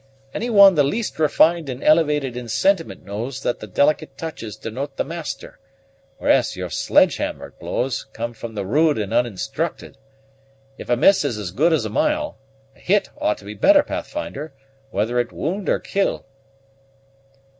Any one the least refined and elevated in sentiment knows that the delicate touches denote the master; whereas your sledge hammer blows come from the rude and uninstructed. If 'a miss is as good as a mile,' a hit ought to be better, Pathfinder, whether it wound or kill."